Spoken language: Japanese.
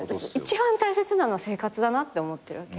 一番大切なのは生活だなって思ってるわけ。